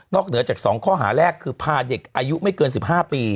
เหนือจาก๒ข้อหาแรกคือพาเด็กอายุไม่เกิน๑๕ปี